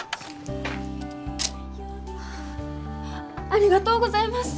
ありがとうございます！